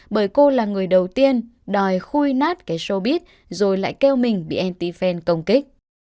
bởi cô là người đầu tiên đòi khui nát cái showbiz rồi lại kêu mình bị anti fan công kích